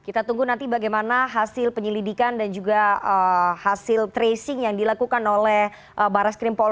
kita tunggu nanti bagaimana hasil penyelidikan dan juga hasil tracing yang dilakukan oleh barres krim polri